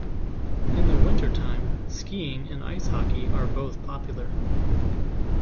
In the wintertime skiing and ice hockey are both popular.